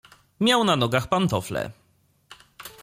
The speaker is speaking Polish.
"Miał na nogach pantofle."